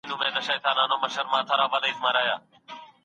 عزت ګټل کلونه وخت غواړي.